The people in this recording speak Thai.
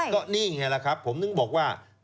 ก็นี่อย่างนี้แหละครับผมนึกบอกว่า